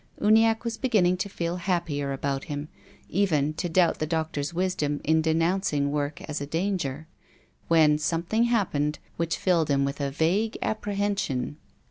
Uniacke was beginning to feel happier about him, even to doubt the doctor's wisdom in denouncing work as a danger, when something happened which filled him with a vague apprehension.